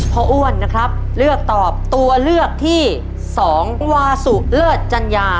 อ้วนนะครับเลือกตอบตัวเลือกที่๒วาสุเลิศจัญญา